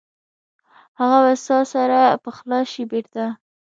هغه به ساه سره پخلا شي بیرته؟